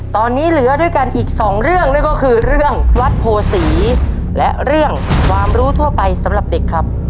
ตอนนี้เหลือด้วยกันอีกสองเรื่องนั่นก็คือเรื่องวัดโพศีและเรื่องความรู้ทั่วไปสำหรับเด็กครับ